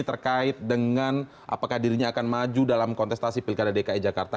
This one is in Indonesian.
terkait dengan apakah dirinya akan maju dalam kontestasi pilkada dki jakarta